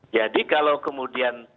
jadi kalau kemudian